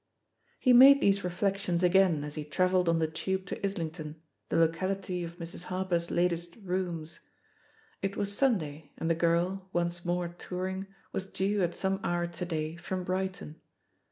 He made these reflections again as he trav elled on the Tube to Islington, the locality of Mrs. Harper's latest "rooms." It was Sunday, and the girl, once more touring, was due, at some hour to day, from Brighton.